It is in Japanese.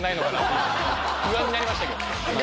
不安になりました。